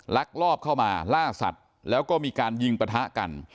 ลักลอบเข้ามาล่าสัตว์แล้วก็มีการยิงปะทะกัน